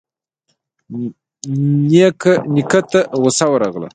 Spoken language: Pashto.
نيکه ته غوسه ورغله.